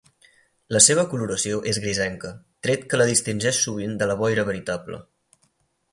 La seva coloració és grisenca, tret que la distingeix sovint de la boira veritable.